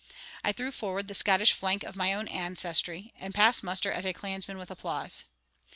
I threw forward the Scottish flank of my own ancestry, and passed muster as a clansman with applause.